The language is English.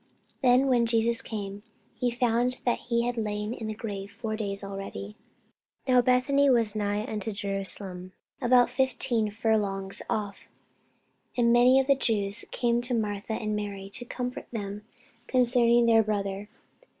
Then when Jesus came, he found that he had lain in the grave four days already. [Sidenote: St. John 11] Now Bethany was nigh unto Jerusalem, about fifteen furlongs off: and many of the Jews came to Martha and Mary, to comfort them concerning their brother.